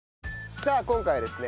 さあ今回はですね